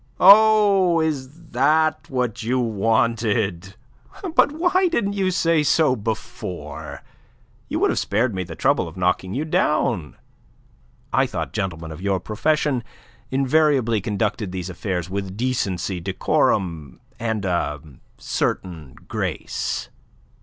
"Oh, is that what you wanted? But why didn't you say so before? You would have spared me the trouble of knocking you down. I thought gentlemen of your profession invariably conducted these affairs with decency, decorum, and a certain grace.